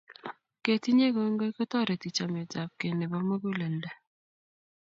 Ketinyei kongoi kotoreti chametapkei nepo muguleldo